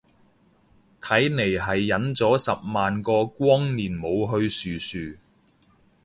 睇嚟係忍咗十萬個光年冇去殊殊